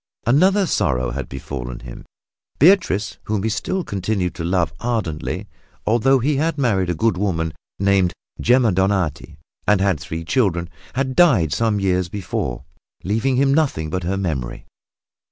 Another sorrow had befallen him. Beatrice, whom he still continued to love ardently (although he had married a good woman named Gemma Donati and had three children) had died some years before, leaving him nothing but her memory.